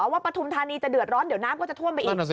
ปฐุมธานีจะเดือดร้อนเดี๋ยวน้ำก็จะท่วมไปอีก